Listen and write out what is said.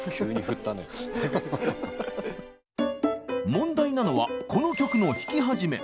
問題なのはこの曲の弾き始め。